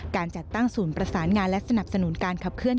การจัดตั้งศูนย์ประสานงานและสนับสนุนการขับเคลื